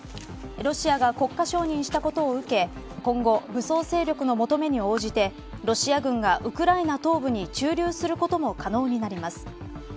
ロシアが国家承認したことを受け今後、武装勢力の求めに応じてロシア軍がウクライナ東部に駐留することも可能になります。